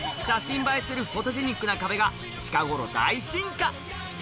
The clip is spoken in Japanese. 写真映えするフォトジェニックな壁が近頃大進化